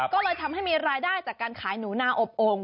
ก็เลยทำให้มีรายได้จากการขายหนูนาอบโอ่ง